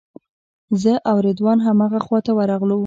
زه او رضوان همغه خواته ورغلو.